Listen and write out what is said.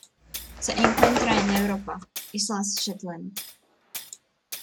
Se encuentra en Europa: Islas Shetland.